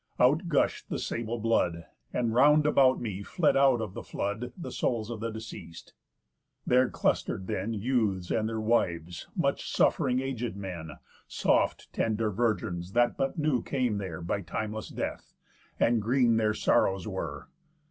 Out gush'd the sable blood, And round about me fled out of the flood The souls of the deceas'd. There cluster'd then Youths, and their wives, much suff'ring aged men, Soft tender virgins that but new came there By timeless death, and green their sorrows were.